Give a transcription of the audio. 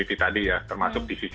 iya terraered revendor dan segala macam